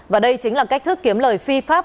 và đây chính là cách thức kiếm lời phi pháp